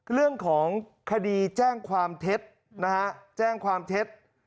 เรื่องของคดีแจ้งความเท็จนะฮะแจ้งความเท็จ